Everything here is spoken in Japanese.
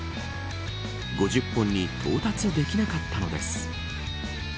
５０本に到達できなかったのです。